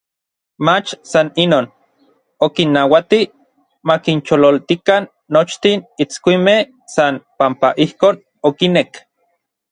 mach san inon, okinnauati makinchololtikan nochtin itskuimej san panpa ijkon okinek.